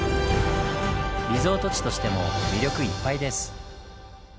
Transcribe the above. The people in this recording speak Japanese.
リゾート地としても魅力いっぱいです。